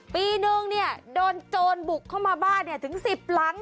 ปีหนึ่งเนี่ยโดนโจรบุกเข้าม้าบ้านถึงสิบลั้ง